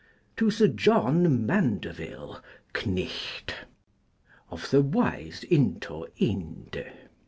To Sir John Manndeville, Kt. (Of the Ways Into Ynde.)